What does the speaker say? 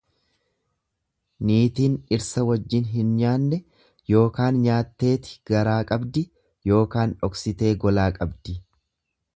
Niitiin dhirsa wajjin hin nyaanne ykn nyaatteeti garaa qabdi ykn dhoksitee golaa qabdi.